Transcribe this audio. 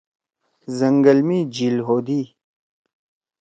زنگل می جھیِل ہودی۔